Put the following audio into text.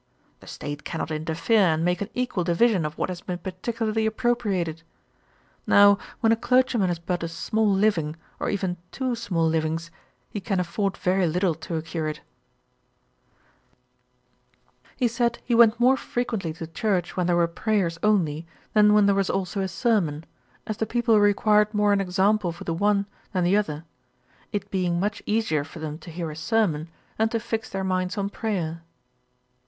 The State cannot interfere and make an equal division of what has been particularly appropriated. Now when a clergyman has but a small living, or even two small livings, he can afford very little to a curate.' He said, he went more frequently to church when there were prayers only, than when there was also a sermon, as the people required more an example for the one than the other; it being much easier for them to hear a sermon, than to fix their minds on prayer.